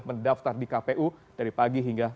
mendaftar di kpu dari pagi hingga